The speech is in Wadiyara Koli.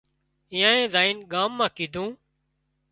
ايئانئي زائين ڳام مان ڪيڌون